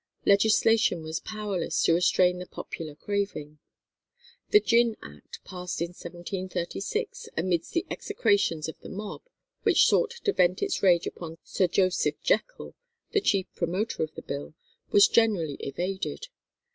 Legislation was powerless to restrain the popular craving. The Gin Act, passed in 1736 amidst the execrations of the mob, which sought to vent its rage upon Sir Joseph Jekyll, the chief promoter of the bill, was generally evaded.